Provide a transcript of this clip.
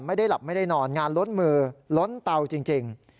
ไม่ได้หลับไม่ได้นอนงานล้นมือล้นเตาจริง